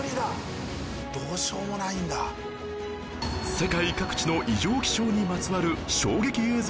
世界各地の異常気象にまつわるすごいぞ。